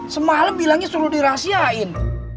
semalam bilangnya suruh dirahsiain